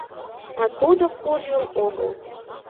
— А тудо куржын огыл.